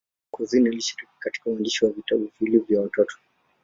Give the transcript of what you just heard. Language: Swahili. Couzyn alishiriki katika uandishi wa vitabu viwili vya watoto.